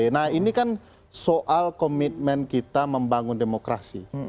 nah ini kan soal komitmen kita membangun demokrasi